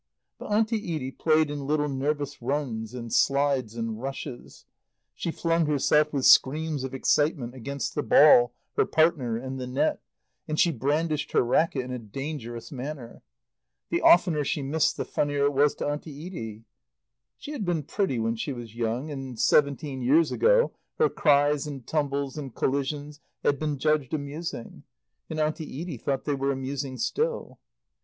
But Auntie Edie played in little nervous runs and slides and rushes; she flung herself, with screams of excitement, against the ball, her partner and the net; and she brandished her racket in a dangerous manner. The oftener she missed the funnier it was to Auntie Edie. She had been pretty when she was young, and seventeen years ago her cries and tumbles and collisions had been judged amusing; and Auntie Edie thought they were amusing still.